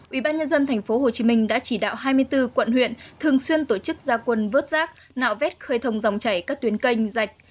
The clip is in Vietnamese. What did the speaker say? ubnd tp hcm đã chỉ đạo hai mươi bốn quận huyện thường xuyên tổ chức gia quân vớt rác nạo vét khơi thông dòng chảy các tuyến canh rạch